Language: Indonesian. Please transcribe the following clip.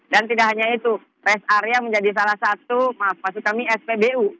tidak hanya itu rest area menjadi salah satu maaf maksud kami spbu